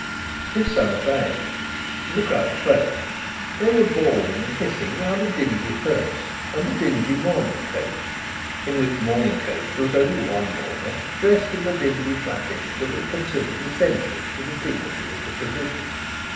His son obeyed, and the crowd approached; they were bawling and hissing round a dingy hearse and dingy mourning coach, in which mourning coach there was only one mourner, dressed in the dingy trappings that were considered essential to the dignity of the position.